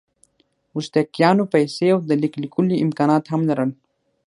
ازتکیانو پیسې او د لیک لیکلو امکانات هم لرل.